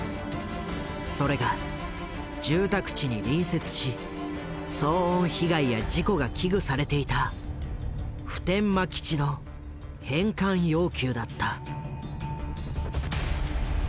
それが住宅地に隣接し騒音被害や事故が危惧されていた普天間基地の返還要求だった。